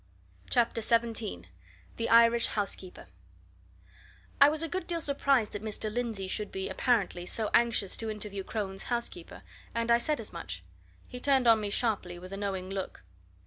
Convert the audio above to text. CHAPTER XVII THE IRISH HOUSEKEEPER I was a good deal surprised that Mr. Lindsey should be apparently so anxious to interview Crone's housekeeper, and I said as much. He turned on me sharply, with a knowing look.